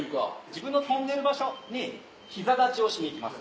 自分の跳んでる場所に膝立ちをしにいきます。